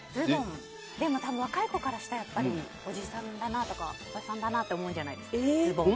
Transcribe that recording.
でも若い子からしたらおじさんだなとかおばさんだなって思うじゃないですかズボンって。